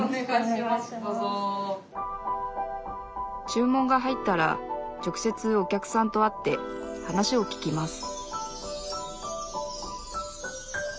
注文が入ったら直接お客さんと会って話を聞きます